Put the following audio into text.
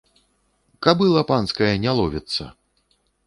Кабыла панская не ловіцца!